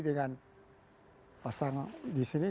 dengan pasang di sini